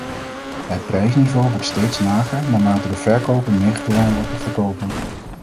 Het prijsniveau wordt steeds lager naarmate de verkoper meer gedwongen wordt te verkopen.